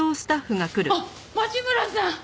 あっ町村さん。